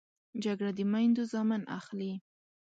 جګړه د میندو زامن اخلي